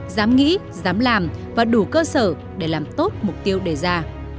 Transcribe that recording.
dám nghĩ dám làm và đủ cơ sở để làm tốt mục tiêu đề ra